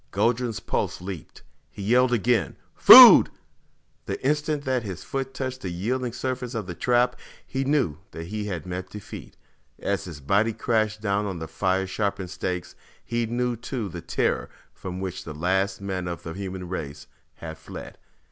Guldran's pulse leaped. He yelled again, "Food!" The instant that his foot touched the yielding surface of the trap, he knew that he had met defeat. As his body crashed down on the fire sharpened stakes, he knew too the terror from which the last men of the human race had fled.